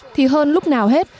thì hơn lúc nào hết